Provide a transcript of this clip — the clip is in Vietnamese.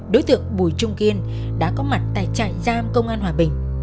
đối tượng bùi trung kiên đã có mặt tại trại giam công an hòa bình